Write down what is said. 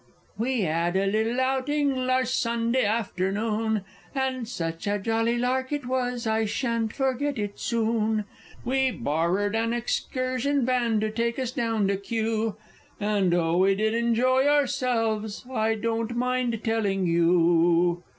We 'ad a little outing larst Sunday arternoon; And sech a jolly lark it was, I shan't forget it soon! We borrered an excursion van to take us down to Kew, And oh, we did enjoy ourselves! I don't mind telling _you.